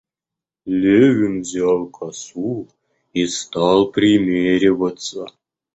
Левин Взял косу и стал примериваться.